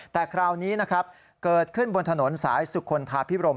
แต่คราวนี้เกิดขึ้นบนถนนสายสุขลคาพิบรม